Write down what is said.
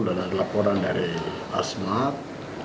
dan ada laporan dari asmat